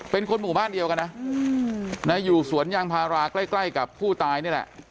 เป็นคนหมู่บ้านเดียวกันนะอยู่สวนยางพาราใกล้กับผู้ตายนี่แหละ